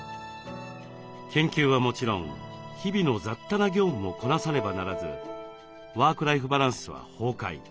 研究はもちろん日々の雑多な業務もこなさねばならずワークライフバランスは崩壊。